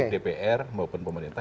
dpr maupun pemerintah